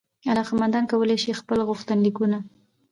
علاقمندان کولای سي خپل غوښتنلیکونه